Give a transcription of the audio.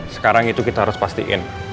sekarang itu kita harus pastiin